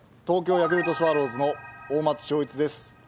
東京ヤクルトスワローズの大松尚逸です。